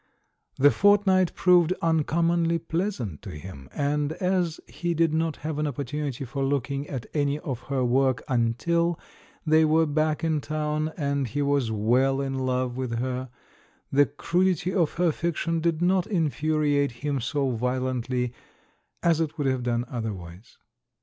The fortnight proved uncommonly pleasant to him, and as he did not have an opportunity for looking at any of her work until they were back in town and he was well in love with her, the crudity of her fiction did not infuriate him so violently as it would have done otherwise.